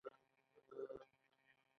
هر څوک کولی شي په سهامي شرکت کې ګډون وکړي